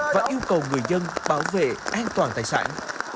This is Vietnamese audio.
và yêu cầu người dân bảo vệ an toàn tài sản